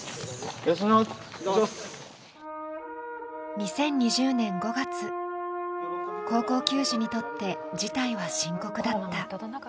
２０２０年５月、高校球児にとって事態は深刻だった。